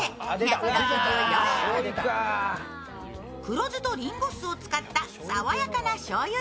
黒酢とリンゴ酢を使った爽やかなしょうゆ